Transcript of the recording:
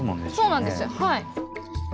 そうなんですはい。